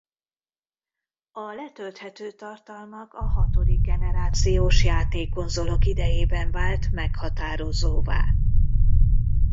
A letölthető tartalmak a hatodik-generációs játékkonzolok idejében vált meghatározóvá.